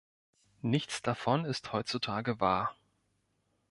Nichts davon ist heutzutage wahr.